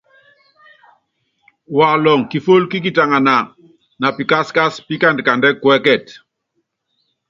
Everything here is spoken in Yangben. Walɔŋ kifól kí kitaŋana na pikaskás pikand kandɛɛ́ kuɛ́kɛt.